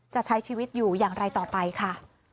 จะใช้ชีวิตอยู่อย่างไรต่อไปค่ะ